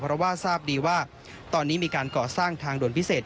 เพราะว่าทราบดีว่าตอนนี้มีการก่อสร้างทางด่วนพิเศษ